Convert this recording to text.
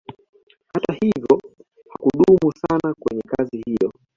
Hata hivyo hakudumu sana kwenye kazi hiyo